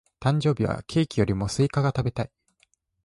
誕生日はケーキよりもスイカが食べたい。